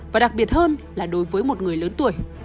và đặc biệt hơn là đối với một người lớn tuổi